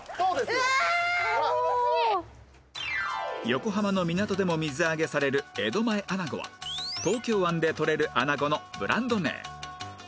横浜の港でも水揚げされる江戸前あなごは東京湾でとれるあなごのブランド名